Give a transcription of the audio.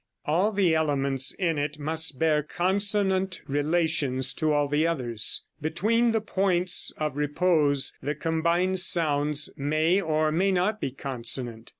All the elements in it must bear consonant relations to all the others. Between the points of repose the combined sounds may or may not be consonant.